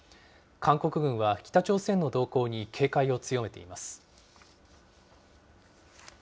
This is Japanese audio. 韓国軍は北朝鮮の動向に警戒を強めています。